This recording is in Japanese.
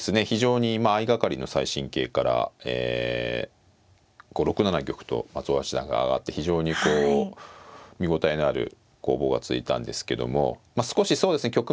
非常に相掛かりの最新型からこう６七玉と松尾八段が上がって非常にこう見応えのある攻防が続いたんですけどもまあ少しそうですね